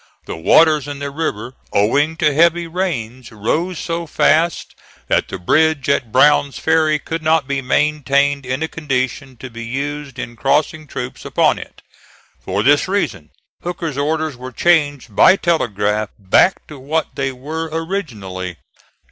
The waters in the river, owing to heavy rains, rose so fast that the bridge at Brown's Ferry could not be maintained in a condition to be used in crossing troops upon it. For this reason Hooker's orders were changed by telegraph back to what they were originally.